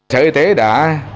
sở y tế đã